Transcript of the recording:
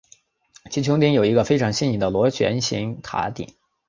其穹顶有一个非常新颖的螺旋形顶塔。